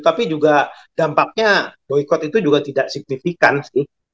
tapi juga dampaknya boykot itu juga tidak signifikan sih